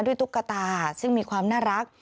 ด้วยตู้กระตาซึ่งมีความน่ารัก